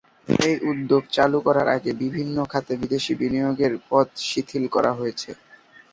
এই উদ্যোগ চালু করার আগে বিভিন্ন খাতে বিদেশী বিনিয়োগের পথ শিথিল করা হয়েছে।